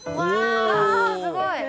すごい。